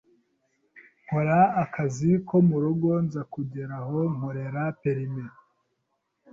nkora akazi ko mu rugo nza kugera aho nkorera permis